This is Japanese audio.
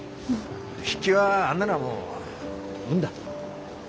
筆記はあんなのはもう運だ。